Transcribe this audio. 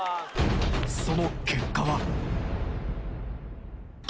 その結果は？